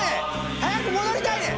早く戻りたいねん！